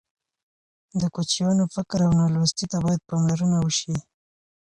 د کوچیانو فقر او نالوستي ته باید پاملرنه وشي.